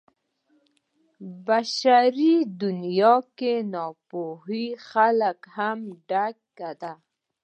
په بشري دنيا کې ناپوهو خلکو هم ډک دی.